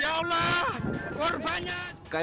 ya allah korbannya